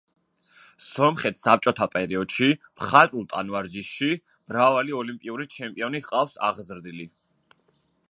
სომხეთს საბჭოთა პერიოდში, მხატვრულ ტანვარჯიშში, მრავალი ოლიმპიური ჩემპიონი ჰყავს აღზრდილი.